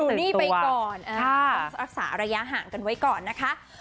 หนี้ไปก่อนต้องรักษาระยะห่างกันไว้ก่อนนะคะ